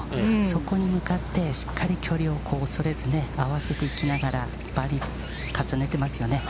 そこに向かってしっかり距離を恐れず、合わせていきながら、バーディーを重ねていますよね。